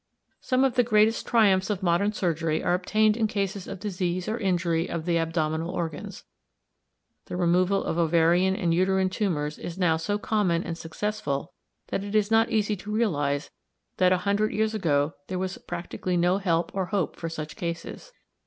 Some of the greatest triumphs of modern surgery are obtained in cases of disease or injury of the abdominal organs. The removal of ovarian and uterine tumours is now so common and successful that it is not easy to realize that a hundred years ago there was practically no help or hope for such cases.